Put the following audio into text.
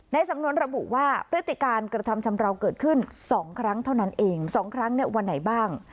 สำนวนระบุว่าพฤติการกระทำชำราวเกิดขึ้นสองครั้งเท่านั้นเองสองครั้งเนี่ยวันไหนบ้าง